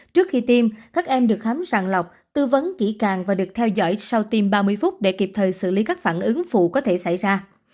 trước khi tiêm các em được khám sàng lọc tư vấn kỹ càng và được theo dõi sau tiêm ba mươi phút để kịp thời xử lý các phản ứng phụ có thể xảy ra